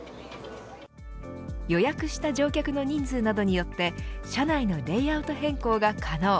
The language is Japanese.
予約した乗客の人数などによって社内のレイアウト変更が可能。